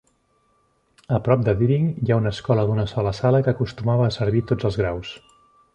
A prop de Deering, hi ha una escola d'una sola sala que acostumava a servir tots els graus.